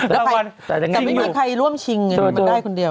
แต่ไม่มีใครร่วมชิงไงมันได้คนเดียว